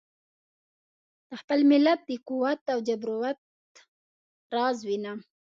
د خپل ملت د قوت او جبروت راز وینم.